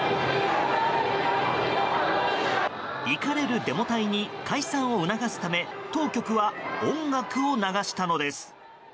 怒れるデモ隊に解散を促すため当局は音楽を流したのです。